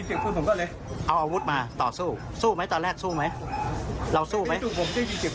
สู้ไหมตอนแรกสู้ไหมเราสู้ไหม